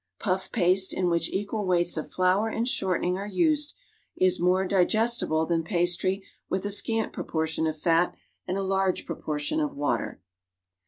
Puff paste in which equal weights of flour and shortening are used is more digestible than pastry with a scant proportion of fat and a large proportion of water.